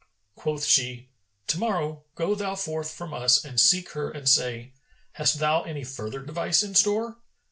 Quoth she, "To morrow go thou forth from us and seek her and say, 'Hast thou any further device in store?'